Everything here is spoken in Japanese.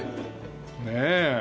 ねえ。